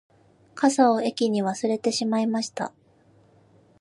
傘を駅に忘れてしまいました